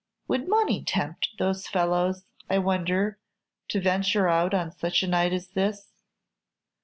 "Would money tempt those fellows, I wonder, to venture out on such a night as this?"